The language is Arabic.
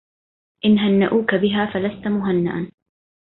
إن هنؤوك بها فلست مهنئا